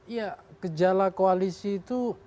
iya gejala koalisi itu